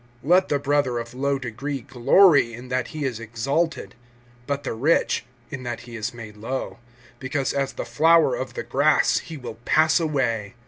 (9)Let the brother of low degree glory in that he is exalted; (10)but the rich, in that he is made low; because as the flower of the grass he will pass away.